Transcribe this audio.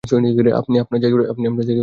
আপনি আপনার জায়গায় বসে পড়ুন।